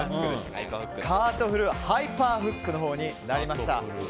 カートフルハイパーフックのほうになりました。